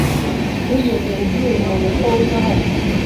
Wigeze ubwira umuntu ko uza hano?